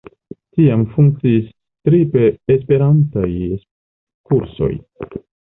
Tiam funkciis tri esperantaj kursoj.